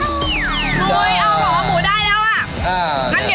หุ้ยเอาหรอหมูได้แล้วอ่ะ